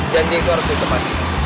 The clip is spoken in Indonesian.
janjiin lo harus ditemani